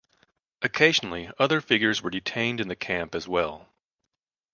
Occasionally other figures were detained in the camp as well.